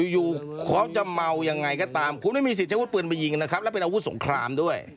อยู่เขาจะเมายังไงก็ตามคุณไม่มีสิทธิวุธปืนมายิงนะครับแล้วเป็นอาวุธสงครามด้วย